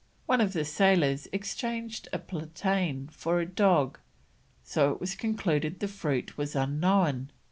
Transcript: One of the sailors exchanged a plantain for a dog, so it was concluded the fruit was unknown.